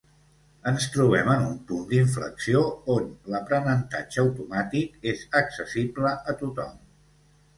Ens trobem en un punt d'inflexió on l'aprenentatge automàtic és accessible a tothom.